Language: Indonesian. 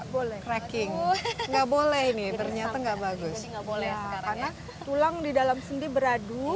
boleh cracking nggak boleh nih ternyata nggak bagus karena tulang di dalam sendi beradu